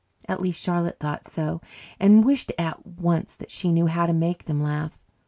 At least Charlotte thought so and wished at once that she knew how to make them laugh.